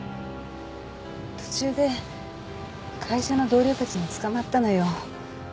途中で会社の同僚たちにつかまったのよ。